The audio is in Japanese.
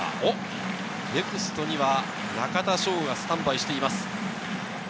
ネクストには中田翔がスタンバイしています。